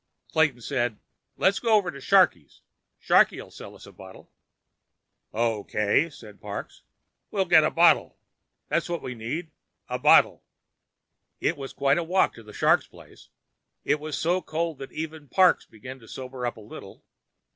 Clayton said: "Let's go over to Sharkie's. Sharkie will sell us a bottle." "Okay," said Parks. "We'll get a bottle. That's what we need: a bottle." It was quite a walk to the Shark's place. It was so cold that even Parks was beginning to sober up a little.